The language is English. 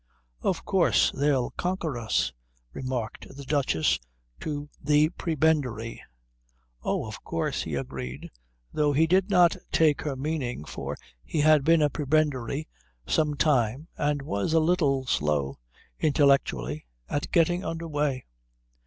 "Of course they'll conquer us," remarked the Duchess to the prebendary. "Oh, of course," he agreed, though he did not take her meaning, for he had been a prebendary some time and was a little slow, intellectually, at getting under way.